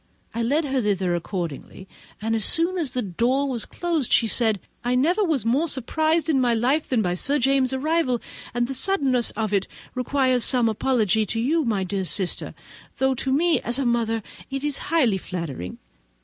I led her thither accordingly, and as soon as the door was closed, she said: "I was never more surprized in my life than by Sir James's arrival, and the suddenness of it requires some apology to you, my dear sister; though to me, as a mother, it is highly flattering.